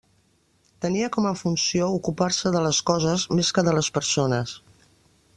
Tenia com a funció ocupar-se de les coses més que de les persones.